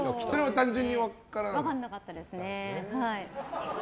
分からなかったですね。